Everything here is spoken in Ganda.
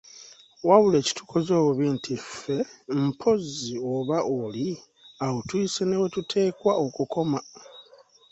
Wabula ekitukoze obubi nti ffe mpozzi oba oli awo tuyise newetuteekwa okukoma.